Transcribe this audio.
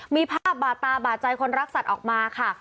มีภาพบาดตาบาดใจคนรักสัตว์ออกมาค่ะ